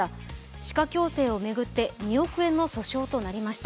歯科矯正を巡って２億円の訴訟となりました。